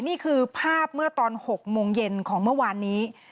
นี่คือภาพเมื่อตอน๖โมงเย็นของเมื่อวานนี้